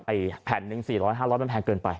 แผ่นหนึ่ง๔๐๐๕๐๐มันแพงเกินไป